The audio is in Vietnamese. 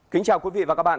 tiểu mục rạch